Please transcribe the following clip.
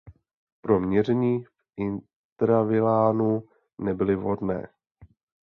Pro měření v intravilánu nebyly vhodné.